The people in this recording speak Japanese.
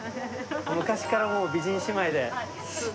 昔からもう、美人姉妹で。